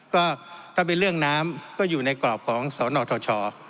ก็ถ้าเป็นเรื่องน้ำก็อยู่ในกรอบของสนทช